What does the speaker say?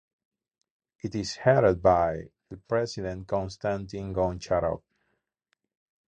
It is headed by the President Konstantin Goncharov.